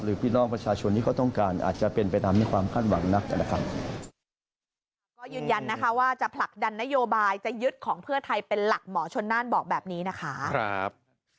พี่น้องประชาชนที่เขาต้องการอาจจะเป็นไปตามในความคาดหวังนักนะครับ